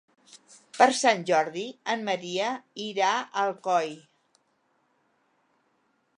Per Sant Jordi en Maria irà a Alcoi.